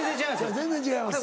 全然違います。